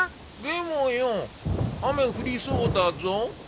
でもよ雨降りそうだぞ？